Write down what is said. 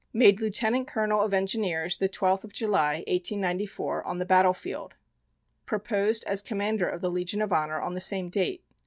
Made Lieutenant Colonel of Engineers the 12th of July, 1894, on the battle field. Proposed as Commander of the Legion of Honor on the same date.